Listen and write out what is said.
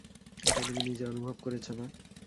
এটা তুমি নিজে অনুভব করেছো না?